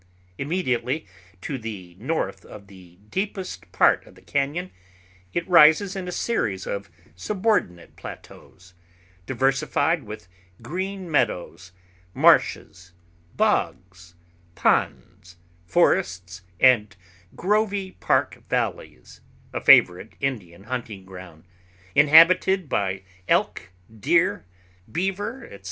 Immediately to the north of the deepest part of the cañon it rises in a series of subordinate plateaus, diversified with green meadows, marshes, bogs, ponds, forests, and grovy park valleys, a favorite Indian hunting ground, inhabited by elk, deer, beaver, etc.